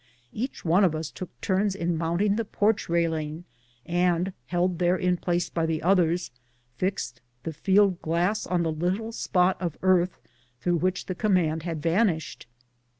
Each of us took turns in mounting the porch railing, and, held there in place by the others, iixed the field glass on the little spot of earth through which the command had van ished.